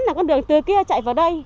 là con đường từ kia chạy vào đây